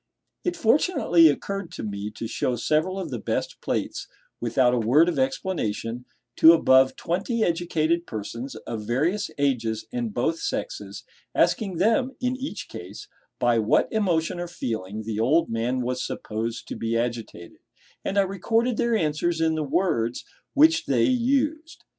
It fortunately occurred to me to show several of the best plates, without a word of explanation, to above twenty educated persons of various ages and both sexes, asking them, in each case, by what emotion or feeling the old man was supposed to be agitated; and I recorded their answers in the words which they used.